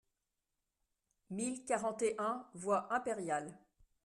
mille quarante et un voie Impériale